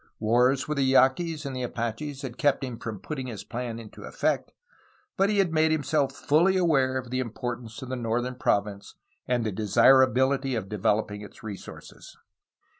Wars with the Yaquis and the Apaches had kept him from putting his plan into effect, but he had made himself fully aware of the importance of the northern province and the desirabihty of developing its resources.